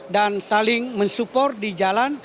dan saling mensupport di jalan